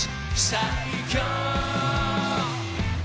最強！